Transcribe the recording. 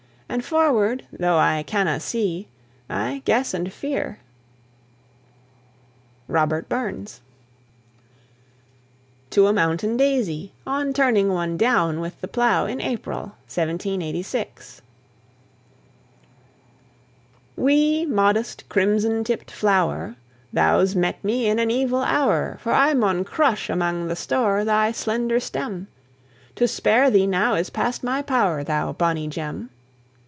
And forward, though I canna see, I guess and fear. ROBERT BURNS. TO A MOUNTAIN DAISY, ON TURNING ONE DOWN WITH THE PLOW IN APRIL, 1786 Wee, modest, crimson tipped flower, Thou's met me in an evil hour; For I maun crush amang the stoure Thy slender stem: To spare thee now is past my power, Thou bonny gem.